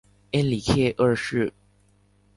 恩里克二世。